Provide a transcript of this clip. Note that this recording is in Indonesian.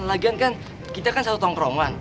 lagian kan kita kan satu tongkrongan